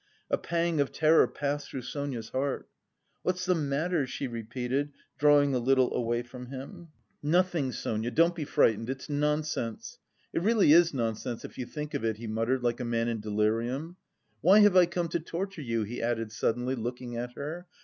A pang of terror passed through Sonia's heart. "What's the matter?" she repeated, drawing a little away from him. "Nothing, Sonia, don't be frightened.... It's nonsense. It really is nonsense, if you think of it," he muttered, like a man in delirium. "Why have I come to torture you?" he added suddenly, looking at her.